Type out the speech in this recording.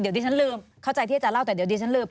เดี๋ยวดิฉันลืมเข้าใจที่อาจารย์เล่าแต่เดี๋ยวดิฉันลืม